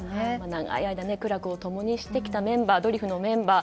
長い間、苦楽を共にしてきたドリフのメンバー。